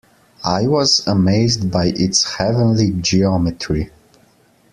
I was amazed by its heavenly geometry.